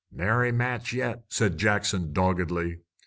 "Nary match, yet," said Jackson doggedly.